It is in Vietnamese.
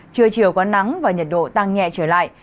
trưa chiều có nắng và nhiệt độ tăng nhẹ trở lại